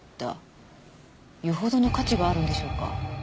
よほどの価値があるんでしょうか？